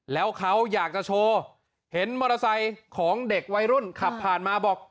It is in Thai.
แล้วเขาอยากจะโชว์เห็นมอเตอร์ไซค์ของเด็กวัยรุ่นขับผ่านมาบอก